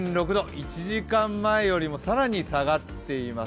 １時間前よりも更に下がっています